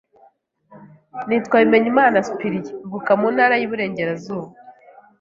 Nitwa BIMENYIMANA Cyprien, mvuka mu ntara y’uburengerazuba